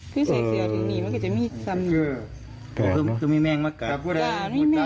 อก่อนซะนนี้มันไม่สร้าง